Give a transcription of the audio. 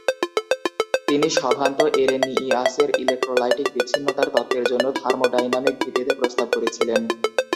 তিনি সভান্ত এরেনিয়িয়াসের ইলেক্ট্রোলাইটিক বিচ্ছিন্নতার তত্ত্বের জন্য থার্মোডাইনামিক ভিত্তিতে প্রস্তাব করেছিলেন।